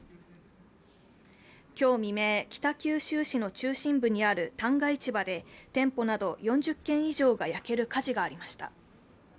今日未明、北九州市の中心部にある旦過市場で店舗など４０軒以上が焼ける火事がありました。